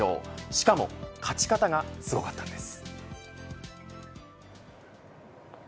しかも、勝ち方がすごかったんです。